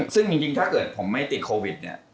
ซึ่งจริงคือถ้าเกิดผมไม่ติดโควิด